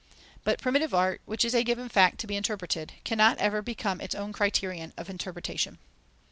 But primitive art, which is a given fact to be interpreted, cannot ever become its own criterion of interpretation.